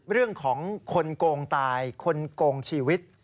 เรื่องของคนโกงตายคนโกงชีวิต